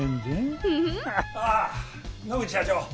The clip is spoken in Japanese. ああ野口社長。